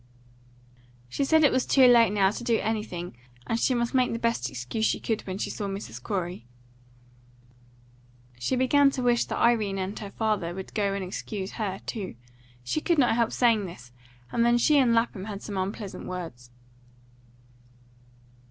She said it was too late now to do anything, and she must make the best excuse she could when she saw Mrs. Corey. She began to wish that Irene and her father would go and excuse her too. She could not help saying this, and then she and Lapham had some unpleasant words.